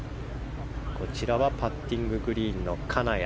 こちらはパッティンググリーンの金谷。